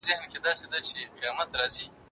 شننه باید وشي.